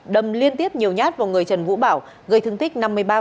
đâm liên tiếp nhiều nhát vào người trần vũ bảo gây thương tích năm mươi ba